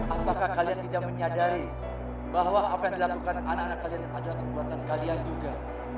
apakah kalian tidak menyadari bahwa apa yang dilakukan anak anak kalian adalah perbuatan kalian juga